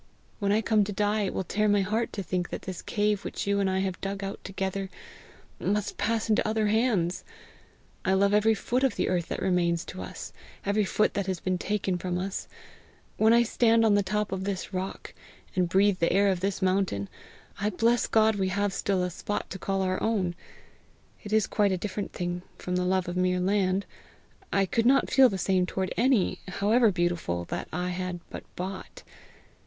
When I come to die, it will tear my heart to think that this cave which you and I have dug out together, must pass into other hands! I love every foot of the earth that remains to us every foot that has been taken from us. When I stand on the top of this rock, and breathe the air of this mountain, I bless God we have still a spot to call our own. It is quite a different thing from the love of mere land; I could not feel the same toward any, however beautiful, that I had but bought.